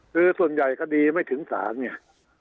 คือส่วนใหญ่คดีไม่ถึงศาลไง